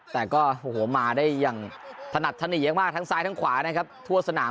แต่มาได้ทนัดทนียมากทั้งซ้ายทั้งขวาทั่วสนาม